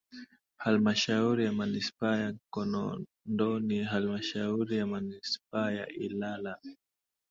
Halmashauri ya Manispaa ya Kinondoni Halmashauri ya Manispaa ya Ilala